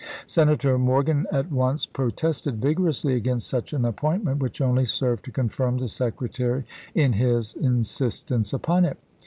Senator Morgan at once pro tested vigorously against such an appointment, which only served to confirm the Secretary in his insistence upon it.